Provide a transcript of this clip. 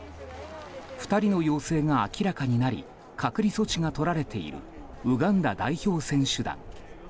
２人の陽性が明らかになり隔離措置が取られているウガンダ代表選手団。